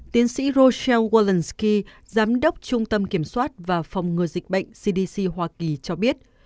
tiến sĩ roseel worldsky giám đốc trung tâm kiểm soát và phòng ngừa dịch bệnh cdc hoa kỳ cho biết